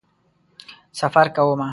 سفر کومه